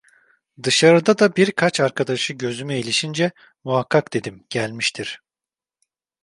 Dışarıda da birkaç arkadaşı gözüme ilişince, muhakkak, dedim, gelmiştir.